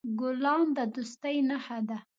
ګلان د دوستی نښه ده.